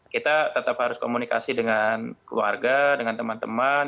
kita tetap harus komunikasi dengan keluarga dengan teman teman